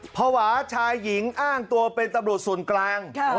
ภาวะชายหญิงอ้างตัวเป็นตำรวจส่วนกลาง